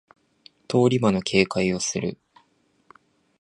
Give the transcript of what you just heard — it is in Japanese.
通り魔の警戒をする